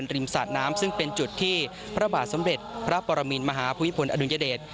ริมศาสตร์น้ำซึ่งเป็นจุดที่พระบาทสำเร็จพระปรมีนมหาภวิทธิพลอดุลยเดช